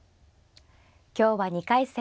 今日は２回戦